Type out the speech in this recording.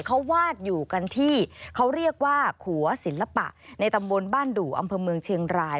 เขาวาดอยู่กันที่เขาเรียกว่าขัวศิลปะในตำบลบ้านดู่อำเภอเมืองเชียงราย